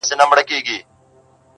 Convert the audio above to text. له لښكر څخه را ليري سو تنها سو؛